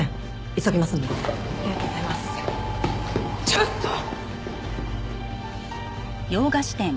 ちょっと！